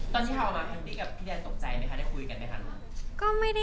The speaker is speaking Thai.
ตอนที่เขาออกมาพี่แดนตกใจไหมค่ะได้คุยกันไหมค่ะ